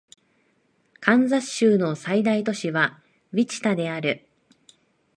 カンザス州の最大都市はウィチタである